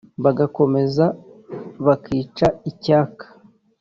Bagakomeza bakica icyaka